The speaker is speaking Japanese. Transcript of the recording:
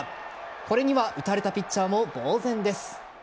これには打たれたピッチャーもぼう然です。